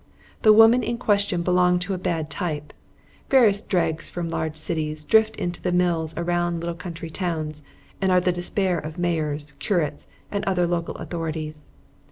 The woman in question belonged to a bad type. Various dregs from large cities drift into the mills around little country towns and are the despair of Mayors, curates, and other local authorities.